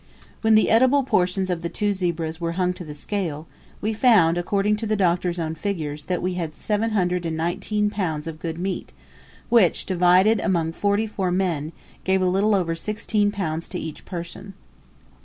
When the eatable portions of the two zebras were hung to the scale, we found, according to the Doctor's own figures, that we had 719 lbs. of good meat, which, divided among forty four men, gave a little over 16 lbs. to each person.